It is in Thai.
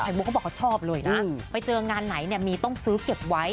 ไขมุ้งก็บอกเขาชอบเลยนะไปเจองานไหนมีต้องซื้อเก็บไว้